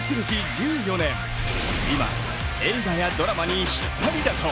１４年今映画やドラマに引っ張りだこ！